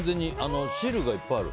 汁がいっぱいある。